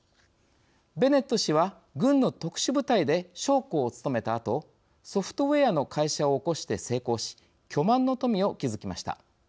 ベネット氏は、軍の特殊部隊で将校を務めたあとソフトウエアの会社を興して成功し、巨万の富を築きました。